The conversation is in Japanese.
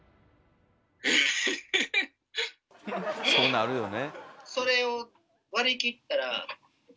そうなるよね。